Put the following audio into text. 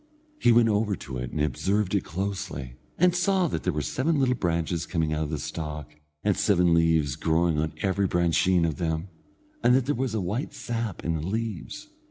He went over to it, and observed it closely, and saw that there were seven little branches coming out of the stalk, and seven leaves growing on every brancheen of them; and that there was a white sap in the leaves.